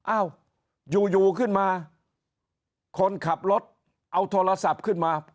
อ้าวอยู่ขึ้นมาคนขับรถเอาโทรศัพท์ขึ้นมา